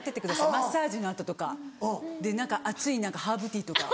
マッサージの後とかで何か熱いハーブティーとか。